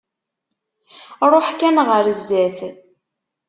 Ruḥ kan ɣer zzat.